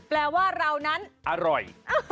แปลว่าเรานั้นอร่อย